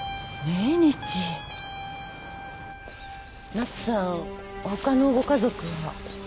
奈津さんほかのご家族は？